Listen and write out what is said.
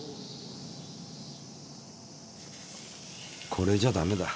これじゃダメだ。